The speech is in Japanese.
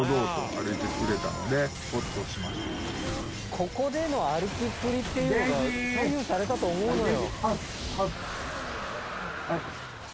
ここでの歩きっぷりっていうのが左右されたと思うのよ。